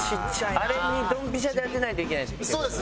あれにドンピシャで当てないといけないっていう。